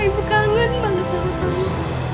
ibu kangen banget sama kamu